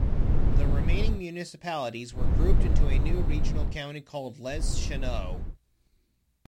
The remaining municipalities were grouped into a new regional county called Les Chenaux.